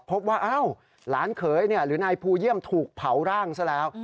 พบว่าอ้าวหลานเขยหรือนายภูเยี่ยมถูกเผาร่างซะแล้ว